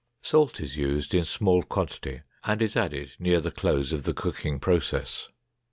Salt is used in small quantity and is added near the close of the cooking process.